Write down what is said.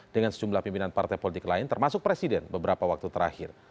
dengan sejumlah pimpinan partai politik lain termasuk presiden beberapa waktu terakhir